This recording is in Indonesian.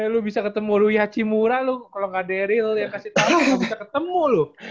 lo bisa ketemu lo yacimura lo kalo gak deryl yang kasih tau lo bisa ketemu lo